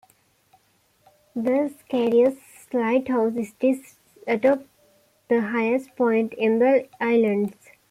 The Skerries Lighthouse sits atop the highest point in the islands.